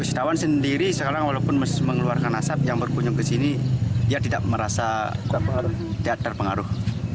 wisatawan sendiri sekarang walaupun mengeluarkan asap yang berkunjung ke sini dia tidak merasa tidak terpengaruh